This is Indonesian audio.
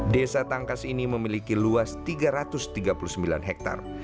desa tangkas ini memiliki luas tiga ratus tiga puluh sembilan hektare